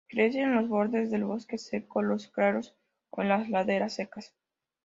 Crece en los bordes del bosque seco, los claros o en laderas secas.